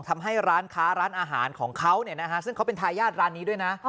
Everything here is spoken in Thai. ทำให้ร้านค้าร้านอาหารของเขาซึ่งเขาเป็นทายาทร้านนี้ด้วยนะ